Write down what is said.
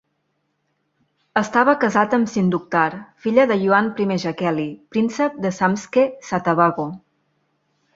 Estava casat amb Sindukhtar, filla de Ioann I Jaqeli, príncep de Samtskhe-Saatabago.